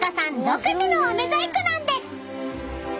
独自のあめ細工なんです］